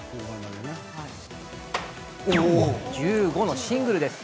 １５のシングルです。